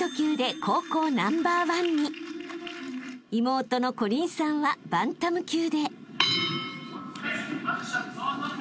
［妹の縞鈴さんはバンタム級で］